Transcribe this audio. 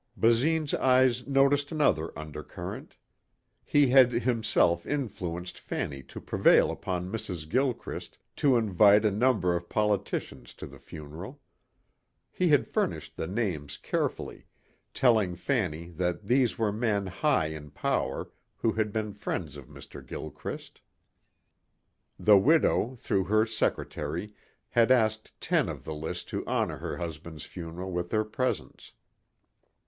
Basine's eyes noticed another undercurrent. He had himself influenced Fanny to prevail upon Mrs. Gilchrist to invite a number of politicians to the funeral. He had furnished the names carefully, telling Fanny that these were men high in power who had been friends of Mr. Gilchrist. The widow, through her secretary, had asked ten of the list to honor her husband's funeral with their presence.